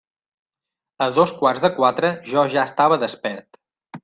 A dos quarts de quatre, jo ja estava despert.